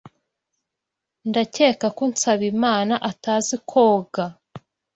Ndakeka ko Nsabimana atazi koga.